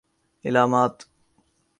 علامات